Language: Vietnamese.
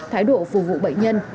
thái độ phù vụ bệnh nhân